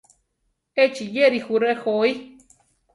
Échi yéri jú rejoí.